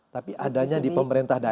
tapi adanya di pemerintah daerah